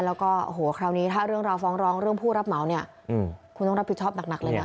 แล้วก็โอ้โหคราวนี้ถ้าเรื่องราวฟ้องร้องเรื่องผู้รับเหมาเนี่ยคุณต้องรับผิดชอบหนักเลยนะ